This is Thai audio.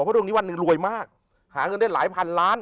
เพราะดวงนี้วันหนึ่งรวยมากหาเงินได้หลายพันล้าน